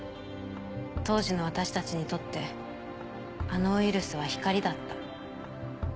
当時の私たちにとってあのウイルスは光だった。